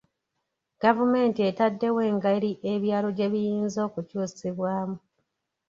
Gavumenti etaddewo engeri ebyalo gye biyinza okukyusibwamu.